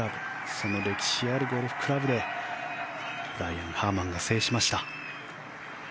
その歴史あるゴルフクラブでブライアン・ハーマンが制しました。